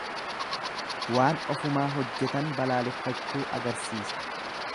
Waan ofumaa hojjetan balaaleffachuu agarsiisa.